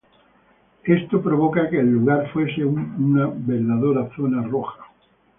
Esto provocaba que el lugar fuese una verdadera Zona roja.